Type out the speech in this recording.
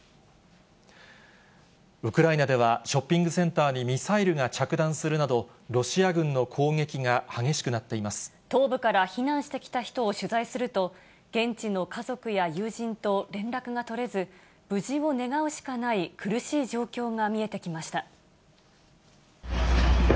ウクライナでは、ショッピングセンターにミサイルが着弾するなど、ロシア軍の攻撃東部から避難してきた人を取材すると、現地の家族や友人と連絡が取れず、無事を願うしかない苦しい状況が見えてきました。